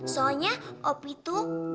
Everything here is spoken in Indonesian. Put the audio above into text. soalnya opi tuh